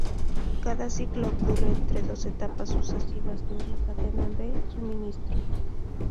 Cada ciclo ocurre entre dos etapas sucesivas de una cadena de suministro.